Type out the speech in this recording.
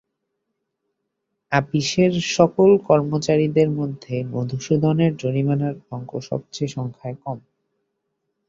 আপিসের সকল কর্মচারীদের মধ্যে মধুসূদনের জরিমানার অঙ্ক সব চেয়ে সংখ্যায় কম।